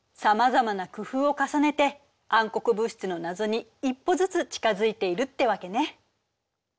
さまざまな工夫を重ねて暗黒物質の謎に一歩ずつ近づいているってわけね。